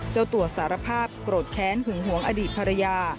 เจ้าตัวสารภาพโกรธแค้นหึงหวงอดีตภรรยา